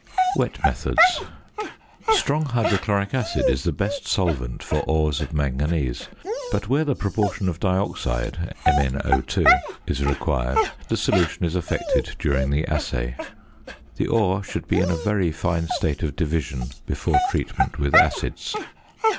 WET METHODS. Strong hydrochloric acid is the best solvent for ores of manganese; but where the proportion of dioxide (MnO_) is required, the solution is effected during the assay. The ore should be in a very fine state of division before treatment with acids.